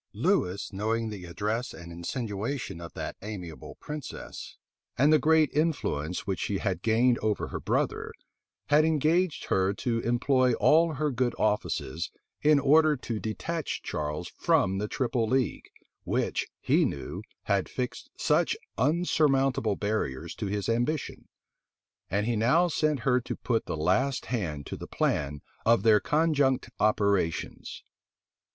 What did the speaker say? Lewis, knowing the address and insinuation of that amiable princess, and the great influence which she had gained over her brother, had engaged her to employ all her good offices in order to detach Charles from the triple league, which, he knew, had fixed such unsurmountable barriers to his ambition; and he now sent her to put the last hand to the plan of their conjunct operations.